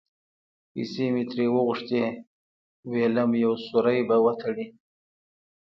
پیسې مې ترې وغوښتې؛ وېلم یو سوری به وتړي.